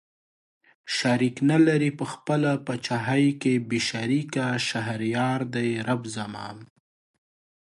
شريک نه لري په خپله پاچاهۍ کې بې شريکه شهريار دئ رب زما